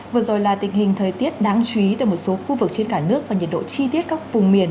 vừa rồi là tình hình thời tiết đáng chú ý tại một số khu vực trên cả nước và nhiệt độ chi tiết các vùng miền